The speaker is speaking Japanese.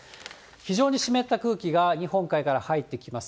非常に湿った空気が日本海から入ってきます。